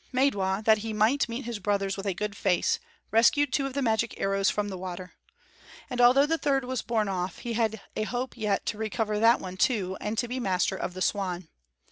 Maidwa, that he might meet his brothers with a good face, rescued two of the magic arrows from the water. And although the third was borne off, he had a hope yet to recover that one, too, and to be master of the swan.